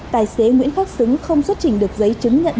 tài xế nguyễn khắc xứng không xuất trình được giấy chứng nhận